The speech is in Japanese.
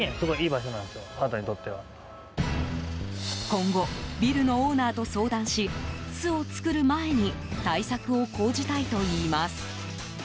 今後、ビルのオーナーと相談し巣を作る前に対策を講じたいといいます。